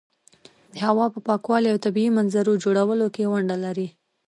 د هوا په پاکوالي او طبیعي منظرو جوړولو کې ونډه لري.